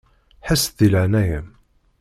Ḥess-d di leɛnaya-m.